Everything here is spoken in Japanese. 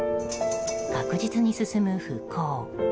確実に進む復興。